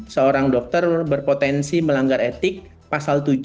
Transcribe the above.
seorang dokter berpotensi melanggar etik pasal tujuh